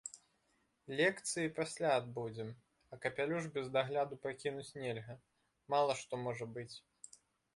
Лекцыі пасля адбудзем, а капялюш без дагляду пакінуць нельга, мала што можа быць.